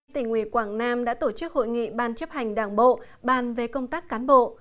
tỉnh ủy quảng nam đã tổ chức hội nghị ban chấp hành đảng bộ ban về công tác cán bộ